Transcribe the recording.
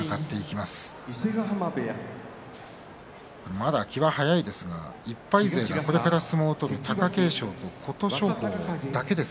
まだ気は早いですが、１敗勢がこれから相撲を取る貴景勝と琴勝峰だけです。